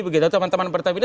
begitu teman teman pertamina